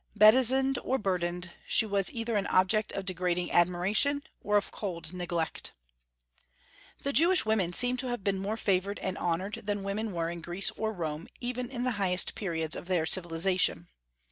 Bedizened or burdened, she was either an object of degrading admiration or of cold neglect. The Jewish women seem to have been more favored and honored than women were in Greece or Rome, even in the highest periods of their civilization.